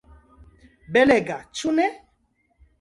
Belega, ĉu ne?